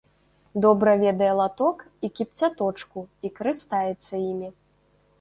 Добра ведае латок і кіпцяточку і карыстаецца імі.